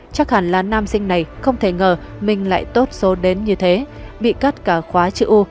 chắc hẳn là nam sinh này không thể ngờ mình lại tốt số đến như thế bị cắt cả khóa chữ u